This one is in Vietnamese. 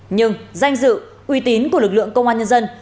nhưng danh dự uy tín của lực lượng công an nhân dân